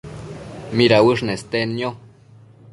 midauësh nestednio?